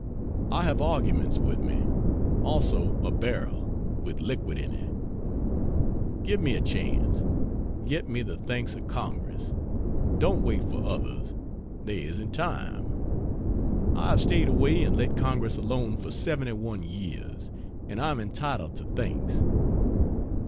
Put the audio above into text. I have arguments with me, also a barrel, with liquid in it. Give me a chance. Get me the thanks of Congress. Don't wait for others; there isn't time. I have stayed away and let Congress alone for seventy one years and I am entitled to thanks.